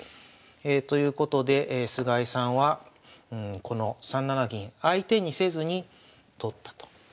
ということで菅井さんはこの３七銀相手にせずに取ったと。